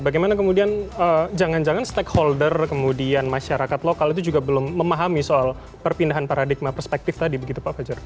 bagaimana kemudian jangan jangan stakeholder kemudian masyarakat lokal itu juga belum memahami soal perpindahan paradigma perspektif tadi begitu pak fajar